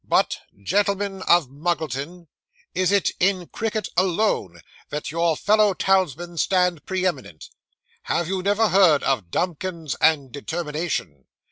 But, gentlemen of Muggleton, is it in cricket alone that your fellow townsmen stand pre eminent? Have you never heard of Dumkins and determination?